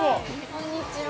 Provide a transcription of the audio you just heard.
◆こんにちは。